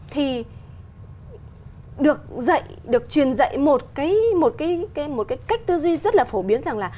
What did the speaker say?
thì được dạy được truyền dạy một cái cách tư duy rất là phổ biến rằng là